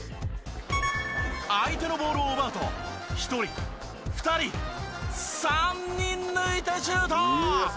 相手のボールを奪うと１人２人３人抜いてシュート！